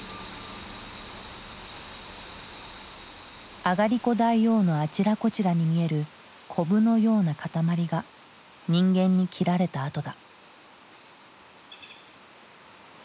あがりこ大王のあちらこちらに見えるコブのような塊が人間に切られた跡だ。